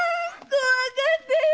怖かったよ！